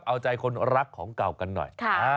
เอาใจคนรักของเก่ากันหน่อย